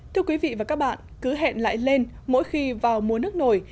thưa quý vị và các bạn cứ hẹn lại lên mỗi khi vào mùa nước nổi